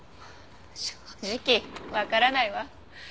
正直わからないわ。